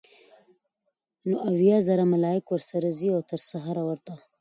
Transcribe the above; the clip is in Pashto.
نو اويا زره ملائک ورسره ځي؛ او تر سهاره ورته